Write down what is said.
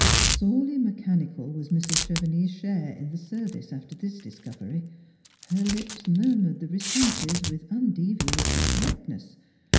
Soreh' mechanical was Mi s. Chevenix's share in the service after this discovery. Her lips murmured the responses, with undeviating correctness.